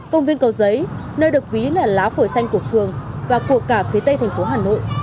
công viên cầu giấy nơi được ví là lá phổi xanh của phường và của cả phía tây thành phố hà nội